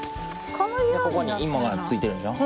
ここにイモがついてるでしょ